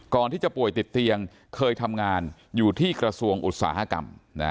ก่อนที่จะป่วยติดเตียงเคยทำงานอยู่ที่กระทรวงอุตสาหกรรม